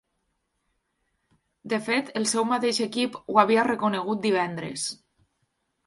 De fet, el seu mateix equip ho havia reconegut divendres.